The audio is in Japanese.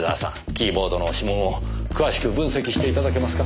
キーボードの指紋を詳しく分析して頂けますか？